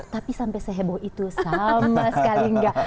tapi sampai sehebo itu sama sekali gak